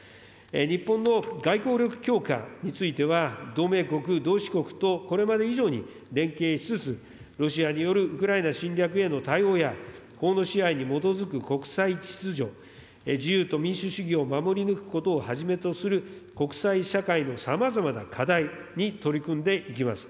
日本の外交力強化については、同盟国、同志国とこれまで以上に連携しつつ、ロシアによるウクライナ侵略への対応や、法の支配に基づく国際秩序、自由と民主主義を守り抜くことをはじめとする国際社会のさまざまな課題に取り組んでいきます。